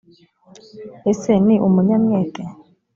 ese ni umunyamwete?